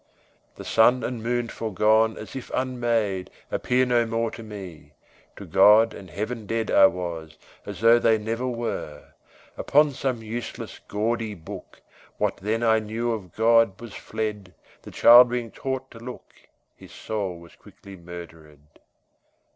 The sun And moon forgone As if unmade, appear No more to me; to God and heaven dead I was, as though they never were; Upon some useless gaudy book, When what I knew of God was fled, The child being taught to look, His soul was quickly murtherëd.